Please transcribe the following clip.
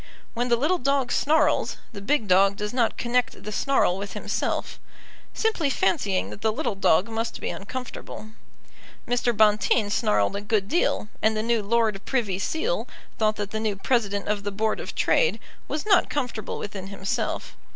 When the little dog snarls, the big dog does not connect the snarl with himself, simply fancying that the little dog must be uncomfortable. Mr. Bonteen snarled a good deal, and the new Lord Privy Seal thought that the new President of the Board of Trade was not comfortable within himself.